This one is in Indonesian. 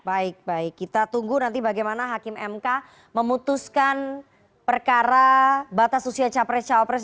baik baik kita tunggu nanti bagaimana hakim mk memutuskan perkara batas usia capres cawapres